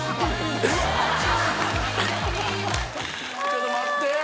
ちょっと待って。